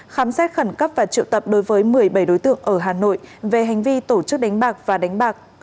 khám xét khẩn cấp và triệu tập đối với một mươi bảy đối tượng ở hà nội về hành vi tổ chức đánh bạc và đánh bạc